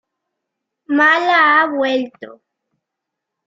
Mala ha vuelto.